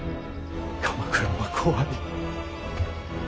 鎌倉は怖い。